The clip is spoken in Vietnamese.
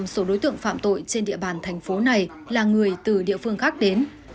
năm mươi số đối tượng phạm tội trên địa bàn thành phố này là người từ địa phương khác đến